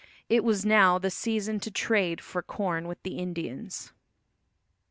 It was now the season to trade for corn with the Indians.